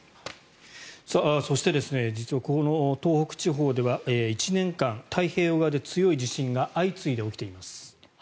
そして実はこの東北地方では１年間太平洋側で強い地震が相次いで起きています。